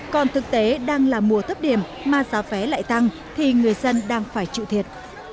còn thực tế đang là mùa thấp điểm mà giá vé lại tăng thì người dân đang phải chịu thiệt